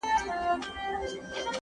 ترې به سترگه ايستل كېږي په سيخونو؛